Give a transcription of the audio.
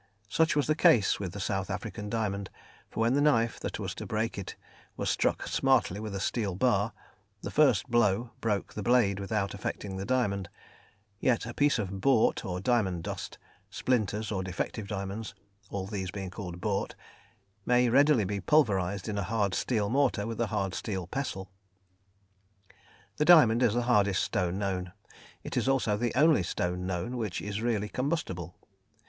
Such was the case with the South African diamond, for when the knife that was to break it was struck smartly with a steel bar, the first blow broke the blade without affecting the diamond, yet a piece of bort, or diamond dust, splinters, or defective diamonds (all these being called bort), may readily be pulverised in a hard steel mortar with a hard steel pestle. The diamond is the hardest stone known; it is also the only stone known which is really combustible.